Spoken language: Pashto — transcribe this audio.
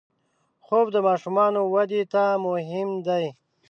خوب د ماشومانو وده ته مهم دی